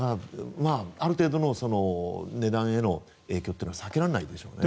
ある程度の値段への影響というのは避けられないでしょうね。